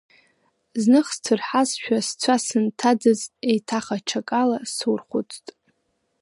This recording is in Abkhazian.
Зных сцәырҳазшәа сцәа сынҭаӡыӡт, еиҭах аҽакала сурхәыцт.